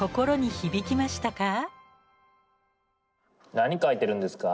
何書いてるんですか？